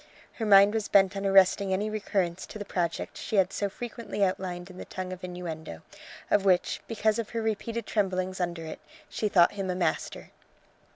Her mind was bent on arresting any recurrence to the project she had so frequently outlined in the tongue of innuendo, of which, because of her repeated tremblings under it, she thought him a master.